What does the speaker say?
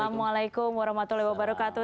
assalamualaikum warahmatullahi wabarakatuh